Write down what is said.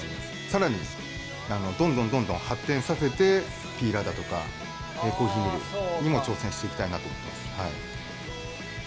更にどんどんどんどん発展させてピーラーだとかコーヒーミルにも挑戦していきたいなと思ってます。